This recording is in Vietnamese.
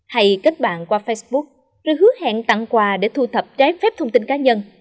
hay kết bạn qua facebook rồi hứa hẹn tặng quà để thu thập trái phép thông tin cá nhân